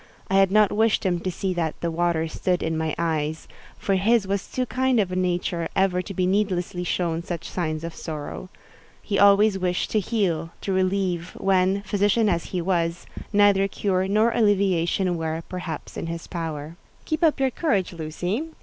I had not wished him to see that "the water stood in my eyes," for his was too kind a nature ever to be needlessly shown such signs of sorrow. He always wished to heal—to relieve—when, physician as he was, neither cure nor alleviation were, perhaps, in his power. "Keep up your courage, Lucy.